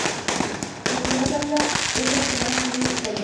El que más habla es el que más tiene que callar